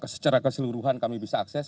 secara keseluruhan kami bisa akses